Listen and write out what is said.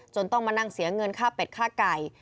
ต้องมานั่งเสียเงินค่าเป็ดค่าไก่